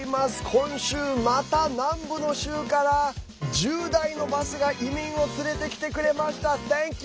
今週また南部の州から１０台のバスが移民を連れてきてくれました。